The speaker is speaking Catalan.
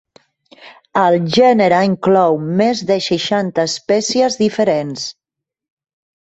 El gènere inclou més de seixanta espècies diferents.